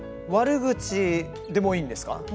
悪口でもいいんですか？